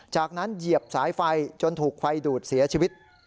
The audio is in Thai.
จากนั้นเหยียบสายไฟจนถูกไฟดูดเสียชีวิต